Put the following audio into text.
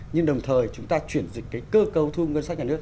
nhưng đồng thời chúng ta chuyển dịch cái cơ cấu thu ngân sách nhà nước